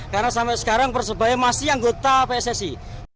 karena sampai sekarang persebaya masih anggota pssi